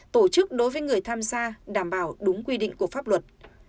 tổ chức đối với người tham gia đảm bảo đúng quy định của pháp luật